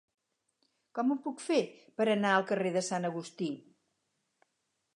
Com ho puc fer per anar al carrer de Sant Agustí?